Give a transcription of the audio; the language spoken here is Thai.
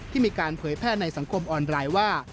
มีการเผยแพร่ในสังคมออนไลน์ว่า